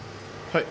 はい？